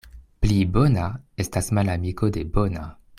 Pli bona — estas malamiko de bona.